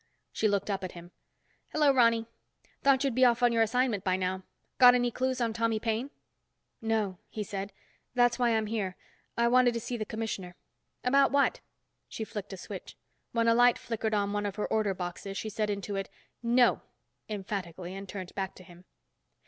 She looked up at him. "Hello, Ronny. Thought you'd be off on your assignment by now. Got any clues on Tommy Paine?" "No," he said. "That's why I'm here. I wanted to see the commissioner." "About what?" She flicked a switch. When a light flickered on one of her order boxes, she said into it, "No," emphatically, and turned back to him.